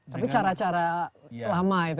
tapi cara cara lama itu